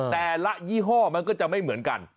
ยี่ห้อมันก็จะไม่เหมือนกัน